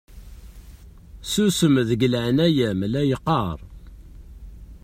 Susem deg leɛnaya-m la yeqqaṛ!